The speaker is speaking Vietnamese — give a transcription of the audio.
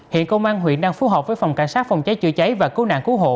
hiện công an huyện đang phối hợp với phòng cảnh sát phòng cháy chữa cháy và cứu nạn cứu hộ